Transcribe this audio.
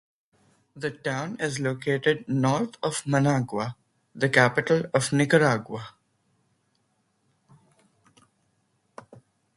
The town is located north of Managua, the capital of Nicaragua.